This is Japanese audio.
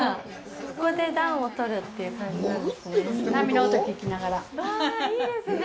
ここで暖をとるっていう感じなんですね。